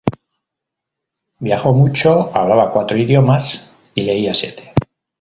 Viajó mucho, hablaba cuatro idiomas y leía siete.